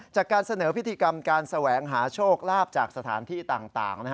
จากการเสนอพิธีกรรมการแสวงหาโชคลาภจากสถานที่ต่าง